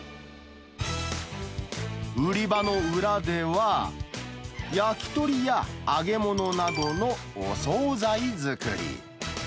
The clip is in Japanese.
売り場の裏では、焼き鳥や揚げ物などのお総菜作り。